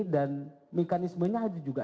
dan mekanismenya harus juga